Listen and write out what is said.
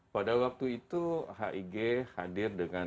pada waktu itu hig hadir dengan